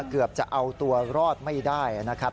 เกือบจะเอาตัวรอดไม่ได้นะครับ